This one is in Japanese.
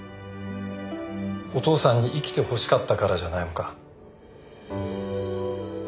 お父さんに生きてほしかったからじゃないのか？